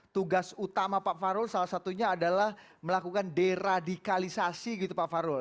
tugas utama pak farul salah satunya adalah melakukan deradikalisasi gitu pak farul